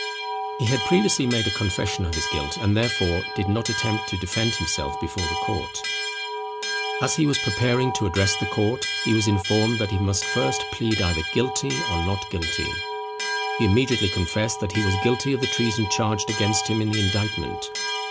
He had previously made a confession of his guilt, and, therefore, did not attempt to defend himself before the court. As he was preparing to address the court, he was informed that he must first plead either guilty or not guilty. He immediately confessed that he was guilty of the treason charged against him in the indictment.